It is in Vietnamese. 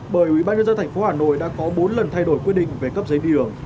bởi ủy ban nhân dân thành phố hà nội đã có bốn lần thay đổi quyết định về cấp giấy đi đường